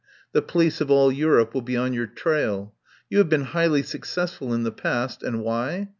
The police of all Europe will be on your trail. You have been highly successful in the past, and why?